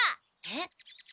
えっ？